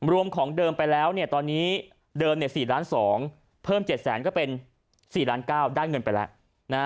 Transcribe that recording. รวมของเดิมไปแล้วเนี่ยตอนนี้เดิมเนี่ยสี่ล้านสองเพิ่มเจ็ดแสนก็เป็นสี่ล้านเก้าได้เงินไปแล้ว